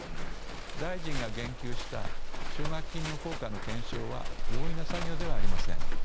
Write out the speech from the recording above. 大臣が言及した奨学金の効果の検証は容易な作業ではありません。